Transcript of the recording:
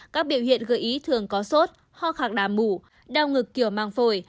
các biểu hiện gợi ý thường có sốt ho khạc đà mủ đau ngực kiểu mang phổi